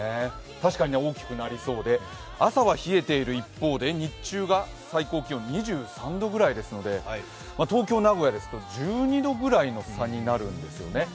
確かに大きくなりそうで朝は冷えている一方で、日中が最高気温２３度ぐらいですので、東京、名古屋ですと１２時ぐらいになるんですよね。